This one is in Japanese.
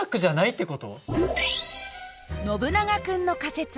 ノブナガ君の仮説。